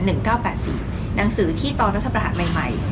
หนังสือที่ตอนรัฐประหารใหม่